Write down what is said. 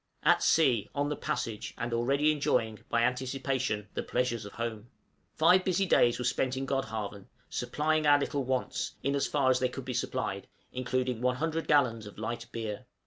_ At sea, on the passage, and already enjoying, by anticipation, the pleasures of home! Five busy days were spent in Godhavn, supplying our little wants, in as far as they could be supplied, including 100 gallons of light beer.